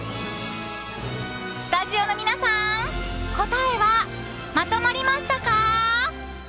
スタジオの皆さん答えはまとまりましたか？